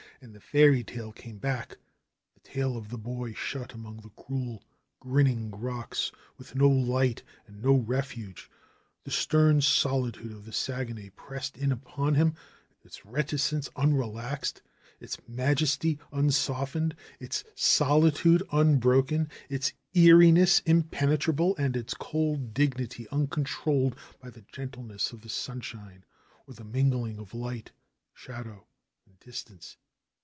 And the fairy tale came back, the tale of the boy shut among the cruel, grinning rocks, with no light and no refuge. The stern solitude of the Saguenay pressed in upon him, its reti cence unrelaxed, its majesty unsoftened, its solitude un broken, its eeriness impenetrable and its cold dignity uncontrolled by the gentleness of the sunshine or the mingling of light, shadow and distance.